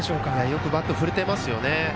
よくバットを振れていますよね。